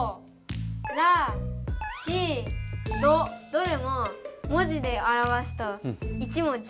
どれも文字であらわすと１文字。